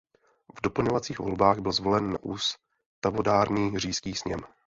V doplňovacích volbách byl zvolen na ústavodárný Říšský sněm.